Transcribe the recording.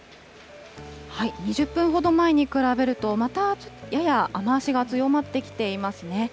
２０分ほど前に比べると、またやや雨足が強まってきていますね。